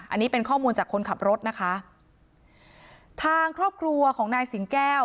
อันนี้เป็นข้อมูลจากคนขับรถนะคะทางครอบครัวของนายสิงแก้ว